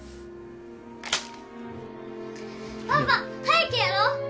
パパ早くやろう！